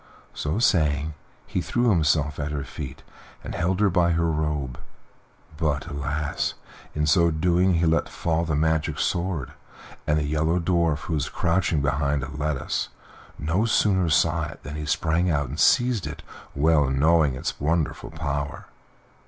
So saying, he threw himself at her feet and held her by her robe. But, alas! in so doing he let fall the magic sword, and the Yellow Dwarf, who was crouching behind a lettuce, no sooner saw it than he sprang out and seized it, well knowing its wonderful power.